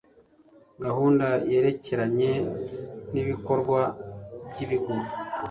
gahunda yerekeranye n’ibikorwa by’ibigo